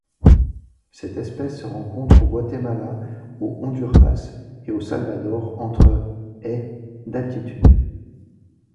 Cette espèce se rencontre au Guatemala, au Honduras et au Salvador entre et d'altitude.